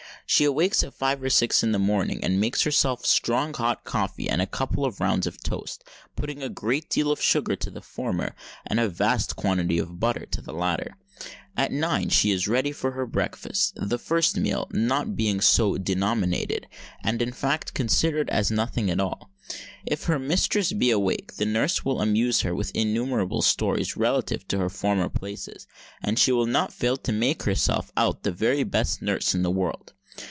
She awakes at five or six in the morning, and makes herself strong hot coffee and a couple of rounds of toast, putting a great deal of sugar to the former, and a vast quantity of butter to the latter. At nine she is ready for her breakfast—the first meal not being so denominated and in fact considered as nothing at all. If her mistress be awake, the nurse will amuse her with innumerable stories relative to her former places; and she will not fail to make herself out the very best nurse in the world.